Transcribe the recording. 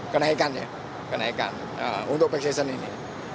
kenaikan ya kenaikan untuk pack season ini